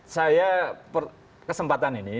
saya kesempatan ini